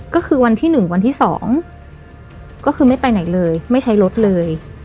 ก็คือวันที่๑วันที่๒ก็คือไม่ไปไหนเลยไม่ใช้รถเลย